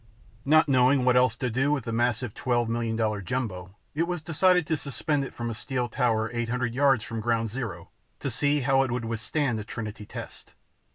Not knowing what else to do with the massive 12 million dollar Jumbo, it was decided to suspend it from a steel tower 800 yards from Ground Zero to see how it would withstand the Trinity test.